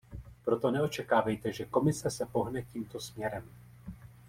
Proto neočekávejte, že Komise se pohne tímto směrem.